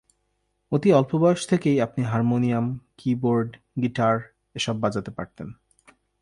অতি অল্প বয়স থেকেই আপনি হারমোনিয়াম, কি-বোর্ড, গিটার এসব বাজাতে পারতেন।